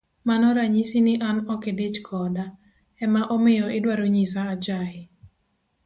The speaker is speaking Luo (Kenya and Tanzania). Mano ranyisi ni an okidich koda, ema omiyo idwaro nyisa achaye.